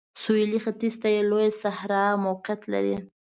سویلي ختیځ ته یې لویه صحرا موقعیت لري.